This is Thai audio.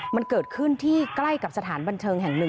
มันเกิดขึ้นที่ใกล้กับสถานบันเทิงแห่งหนึ่ง